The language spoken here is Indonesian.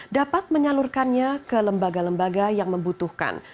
dapat menyalurkannya ke lembaga lembaga yang membutuhkan